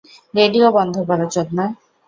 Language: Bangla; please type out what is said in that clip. রেডিও বন্ধ করো, চোদনা!